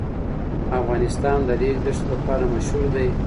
افغانستان د د ریګ دښتې لپاره مشهور دی.